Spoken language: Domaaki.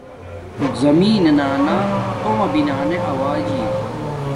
زمین نانا تومہ بنانے آواجی